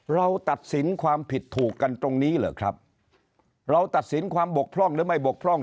เราตัดสินความผิดถูกกันตรงนี้เหรอครับเราตัดสินความบกพร่องหรือไม่บกพร่อง